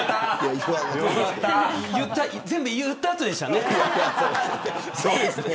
全部、言った後でしたね。